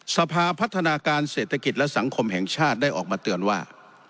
สภาพัฒนาการเศรษฐกิจและสังคมแห่งชาติได้ออกมาเตือนว่า